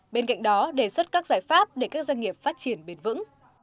bên cạnh đó đề xuất các giải pháp để các doanh nghiệp phát triển bền vững